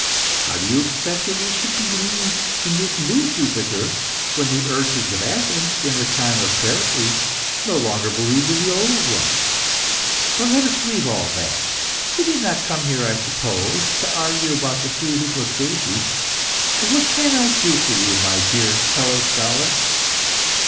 How do you expect that we should believe in this new Jupiter, when the urchins of Athens, in the time of Pericles, no longer believed in the old one? "But let us leave all that. You did not come here; I suppose, to argue about the three hypostases. What can I do for you, my dear fellow scholar?"